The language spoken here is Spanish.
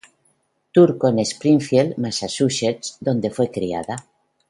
Turco en Springfield, Massachusetts, donde fue criada.